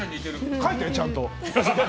書いて、ちゃんと。